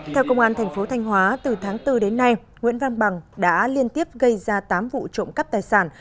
theo công an thành phố thanh hóa từ tháng bốn đến nay nguyễn văn bằng đã liên tiếp gây ra tám vụ trộm cắp tài sản